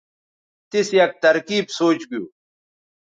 تِیس یک ترکیب سوچ گِیُو